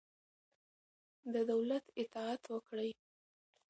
د دولت اطاعت وکړئ.